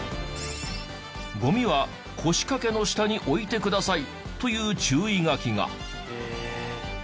「ゴミは腰かけの下に置いてください」という注意書きが。